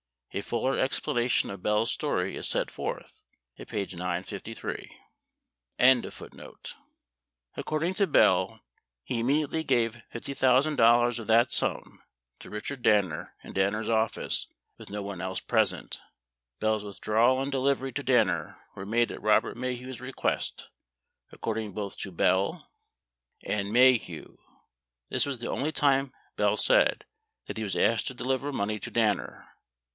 A fuller explanation of Bell's story is set forth at p. 953. 961 According to Bell, he immediately gave $50,000 of that sum to Richard Danner in Danner's office with no one else present. Bell's withdrawal and delivery to Danner were made at Robert Maheu's request, accord ing both to Bell 61 and Maheu. 82 This was the only time, Bell said, that he was asked to deliver money to Danner.